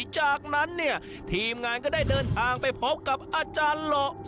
จากนั้นเนี่ยทีมงานก็ได้เดินทางไปพบกับอาจารย์เหล่า